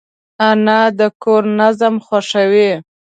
انا د کور نظم خوښوي